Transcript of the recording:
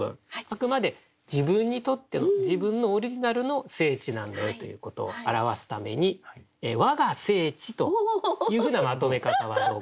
あくまで自分にとっての自分のオリジナルの聖地なんだよということを表すために「わが聖地」というふうなまとめ方はどうかなと思ったんです。